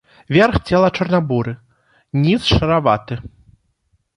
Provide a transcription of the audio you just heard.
Верх цела чорна-буры, ніз шараваты.